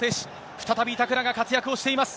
再び板倉が活躍をしています。